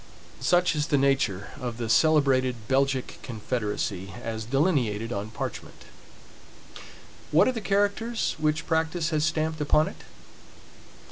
Such is the nature of the celebrated Belgic confederacy, as delineated on parchment. What are the characters which practice has stamped upon it?